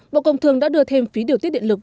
bộ công thương đã đưa thêm phí điều tiết điện lực